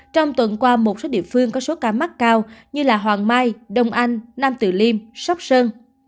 trong tuần qua một số địa phương có số ca mắc cao như hoàng mai đông anh nam tử liêm sóc sơn